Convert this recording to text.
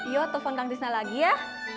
yo telepon kang tis lagi ya